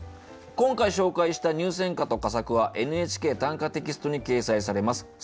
今回紹介した入選歌と佳作は「ＮＨＫ短歌」テキストに掲載されます。